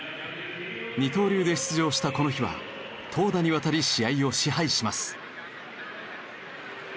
二刀流で出場したこの日は投打にわたり試合を支配します。